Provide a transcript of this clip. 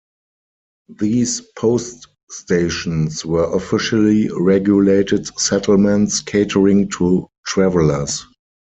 These post stations were officially regulated settlements catering to travelers.